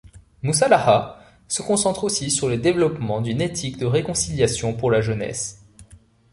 Musalaha se concentre aussi sur le développement d'une éthique de réconciliation pour la jeunesse.